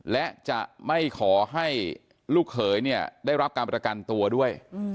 และจะไม่ขอให้ลูกเขยเนี่ยได้รับการประกันตัวด้วย